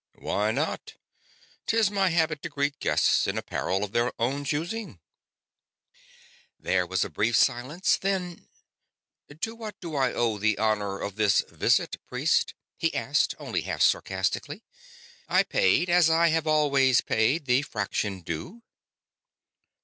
"Why not? 'Tis my habit to greet guests in apparel of their own choosing." There was a brief silence, then: "To what do I owe the honor of this visit, priest?" he asked, only half sarcastically. "I paid, as I have always paid, the fraction due."